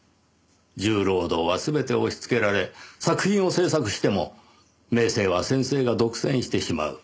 重労働は全て押しつけられ作品を制作しても名声は先生が独占してしまう。